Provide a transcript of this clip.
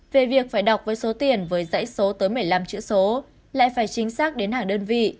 về việc phải đọc với số tiền với dãy số tới một mươi năm chữ số lại phải chính xác đến hàng đơn vị